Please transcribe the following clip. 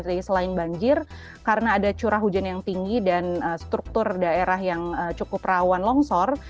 jadi selain banjir karena ada curah hujan yang tinggi dan struktur daerah yang cukup rawan longsor